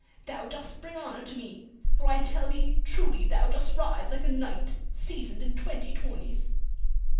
Thou dost bring honor to me, for I tell thee truly thou dost ride like a knight seasoned in twenty tourneys."